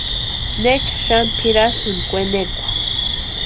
¿Necha xani pʼirasïni kwenekwa?